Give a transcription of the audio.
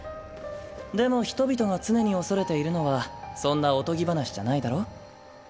でも人々が常に恐れているのはそんなおとぎ話じゃないだろ？